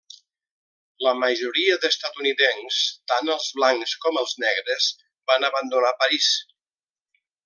La majoria d'estatunidencs, tant els blancs com els negres, van abandonar París.